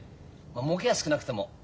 もうけは少なくても。